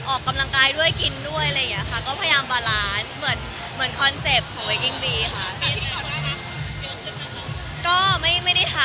ออกกำลังกายด้วยกินด้วยอะไรอย่างเงี้ยค่ะ